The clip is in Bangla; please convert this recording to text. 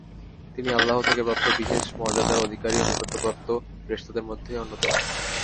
তিনি আল্লাহ থেকে প্রাপ্ত বিশেষ মর্যাদার অধিকারী ও নৈকট্যপ্রাপ্ত ফেরেশতাদের অন্যতম।